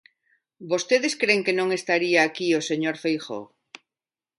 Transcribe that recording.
Vostedes cren que non estaría aquí o señor Feijóo?